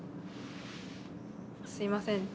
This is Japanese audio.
すみません